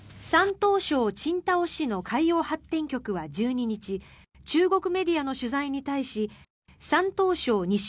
山東省青島市の海洋発展局は１２日中国メディアの取材に対し山東省日照